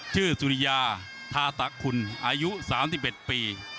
สุริยาทาตะคุณอายุ๓๑ปี